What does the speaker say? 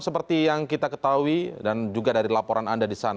seperti yang kita ketahui dan juga dari laporan anda di sana